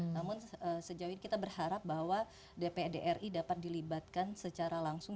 namun sejauh ini kita berharap bahwa dpr ri dapat dilibatkan secara langsung